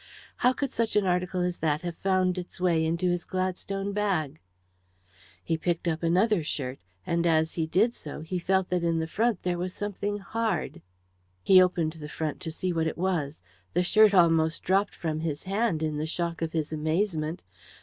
How could such an article as that have found its way into his Gladstone bag? He picked up another shirt, and as he did so felt that in the front there was something hard. He opened the front to see what it was. The shirt almost dropped from his hand in the shock of his amazement.